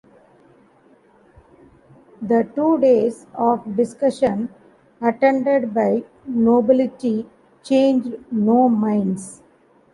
The two days of discussion, attended by nobility, changed no minds.